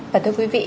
và thưa quý vị